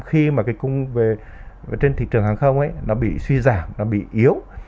khi mà cái cung về trên thị trường hàng không ấy nó bị suy giảm nó bị yếu